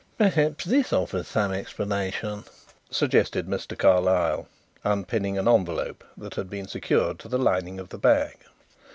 "Perhaps this offers some explanation," suggested Mr. Carlyle, unpinning an envelope that had been secured to the lining of the bag.